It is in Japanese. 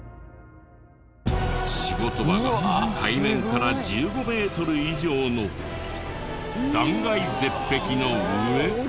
仕事場が海面から１５メートル以上の断崖絶壁の上。